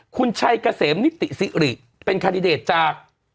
คุณชัยเกษมนิติสิริเป็นคาดิเดตจาก